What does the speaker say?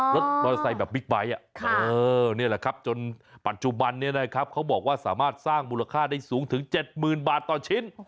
รถมอเตอร์ไซค์แบบบิ๊กไบท์จนปัจจุบันเขาบอกว่าสามารถสร้างมูลค่าได้สูงถึง๗๐๐๐๐บาทต่อชิ้น